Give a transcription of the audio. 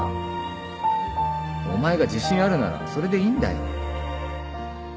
お前が自信あるならそれでいいんだよ